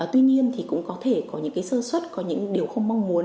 tuy nhiên cũng có thể có những sơ xuất có những điều không mong muốn